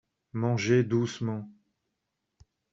Mangez doucement.